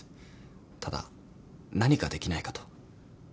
ただ何かできないかと。